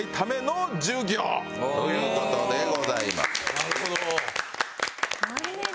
なるほど。